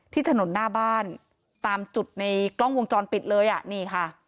ที่ถนนหน้าบ้านตามจุดในกล้องวงจรปิดเลยอ่ะนี่ค่ะ